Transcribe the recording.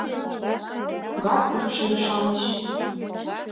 Пурат икшыве-шамыч: